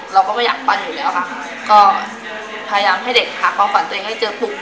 เราก็ไม่อยากฟันอยู่แล้วค่ะก็พยายามให้เด็กหาความฝันตัวเองให้เจอปุ๊ก